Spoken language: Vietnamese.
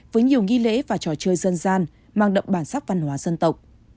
với nhiều nghi lễ và trò chơi dân gian mang đậm bản sắc văn hóa dân tộc